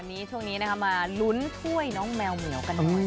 วันนี้ช่วงนี้นะคะมาลุ้นถ้วยน้องแมวเหมียวกันหน่อย